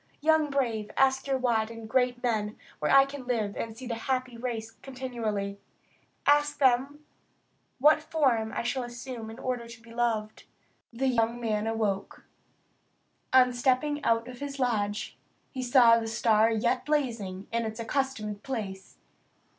Young brave! ask your wise and your great men where I can live and see the happy race continually; ask them what form I shall assume in order to be loved." Thus discoursed the bright stranger. The young man awoke. On stepping out of his lodge he saw the star yet blazing in its accustomed place.